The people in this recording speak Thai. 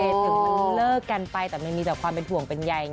ถึงมันเลิกกันไปแต่มันมีแต่ความเป็นห่วงเป็นใยไง